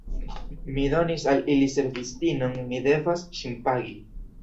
Mi donis al ili servistinon, mi devas ŝin pagi.